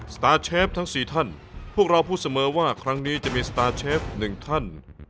สตาร์เชฟทั้ง๔ท่านพวกเราพูดเสมอว่าครั้งนี้จะมีสตาร์เชฟหนึ่งท่าน